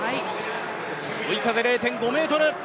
追い風０．５メートル。